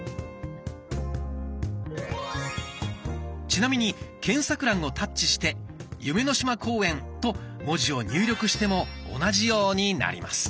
ちなみに検索欄をタッチして「夢の島公園」と文字を入力しても同じようになります。